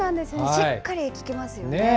しっかり効きますよね。